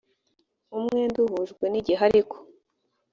umwenda uhujwe n igihe ariko